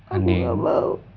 aku gak mau